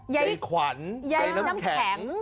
ในขวัญใยน้ำแข็ง